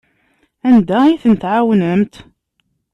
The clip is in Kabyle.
Anda ay tent-tɛawnemt?